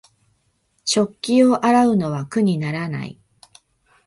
食器を洗うのは苦にならない